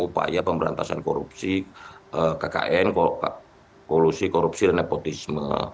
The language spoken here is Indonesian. upaya pemberantasan korupsi kkn kolusi korupsi dan nepotisme